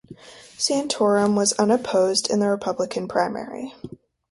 Santorum was unopposed in the Republican primary.